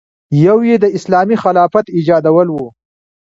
یو یې د اسلامي خلافت ایجادول و.